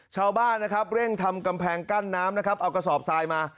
ชาวบ้านนะครับเร่งทำกำแพงกั้นน้ำนะครับเอากระสอบทรายมา